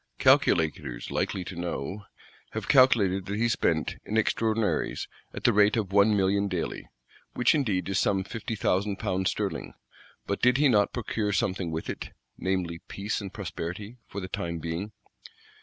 "Calculators likely to know" have calculated that he spent, in extraordinaries, "at the rate of one million daily;" which indeed is some fifty thousand pounds sterling: but did he not procure something with it; namely peace and prosperity, for the time being?